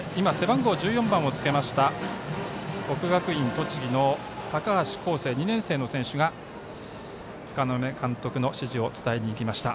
背番号１４番をつけた国学院栃木の高橋巧成２年生の選手が柄目監督の指示を伝えにいきました。